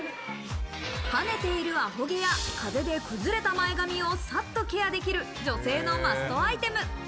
跳ねているあほ毛や、風で崩れた前髪をさっとケアできる女性のマストアイテム。